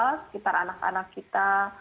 sekitar anak anak kita